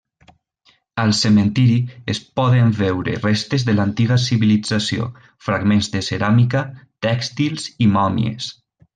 Al cementiri es poden veure restes de l'antiga civilització, fragments de ceràmica, tèxtils i mòmies.